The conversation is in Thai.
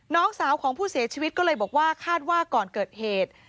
น้องสาวของผู้เสียชีวิตก็เลยบอกว่าคาดว่าก่อนเกิดเหตุ